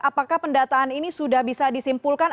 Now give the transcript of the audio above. apakah pendataan ini sudah bisa disimpulkan